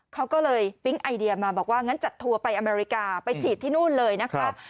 เขาก็เลยปิ๊งไอเดียมาบอกว่างั้นจัดทัวร์ไปอเมริกาไปฉีดที่นู่นเลยนะคะ